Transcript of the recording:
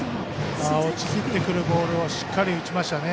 落ちきってくるボールをしっかり打ちましたね。